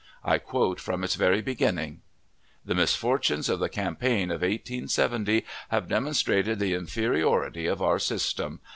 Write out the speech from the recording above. I quote from its very beginning: "The misfortunes of the campaign of 1870 have demonstrated the inferiority of our system....